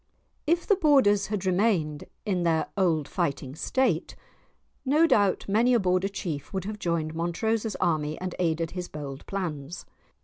If the Borders had remained in their old fighting state no doubt many a Border chief would have joined Montrose's army and aided his bold plans.